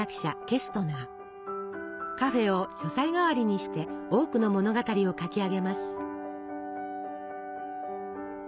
カフェを書斎代わりにして多くの物語を書き上げます。